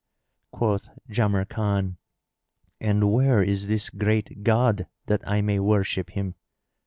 Quoth Jamrkan, "And where is this great god, that I may worship him?"